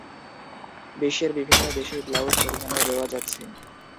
বিশ্বের বিভিন্ন দেশেই ব্লাউজ পরিধানের রেওয়াজ আছে।